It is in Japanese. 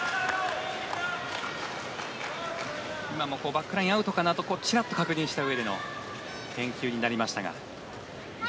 バックライン、アウトかなとちらっと確認したうえでの返球になりましたが。